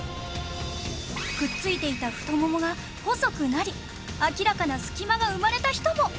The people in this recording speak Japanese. くっついていた太ももが細くなり明らかな隙間が生まれた人も